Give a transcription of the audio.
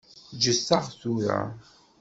Ǧǧet-aɣ tura.